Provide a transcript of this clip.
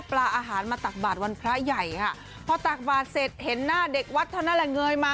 พอตากบาดเสร็จเห็นหน้าเด็กวัดธนาแหล่งเงยมา